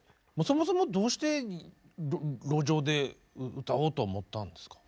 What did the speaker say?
そもそもどうして路上で歌おうと思ったんですか？